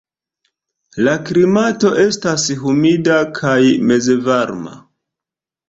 La klimato estas humida kaj mezvarma.